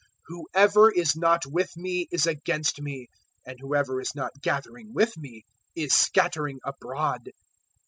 011:023 Whoever is not with me is against me, and whoever is not gathering with me is scattering abroad.